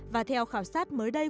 và theo khảo sát mới đây